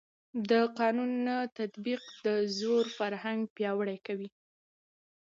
د قانون نه تطبیق د زور فرهنګ پیاوړی کوي